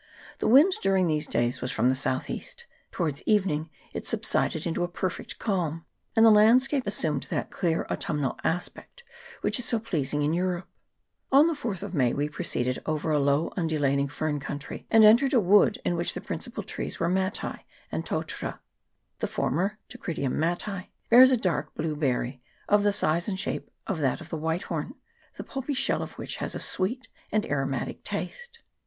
The wind during these days was from the south east; towards evening it subsided into a perfect calm, and the landscape assumed that clear autumnal aspect which is so pleasing in Europe. On the 4th of May we proceeded over a low un dulating fern country, and entered a wood, in which the principal trees were matai and totara. The former (Dacrydium matai) bears a dark blue berry, of the size and shape of that of the whitethorn, the pulpy shell of which has a sweet and aromatic taste.